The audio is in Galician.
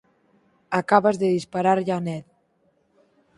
Acabas de dispararlle a Ned.